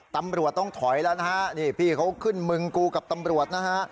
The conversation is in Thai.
ตำรวจต้องถอยแล้วนะฮะนี่พี่เขาขึ้นมึงกูกับตำรวจนะฮะ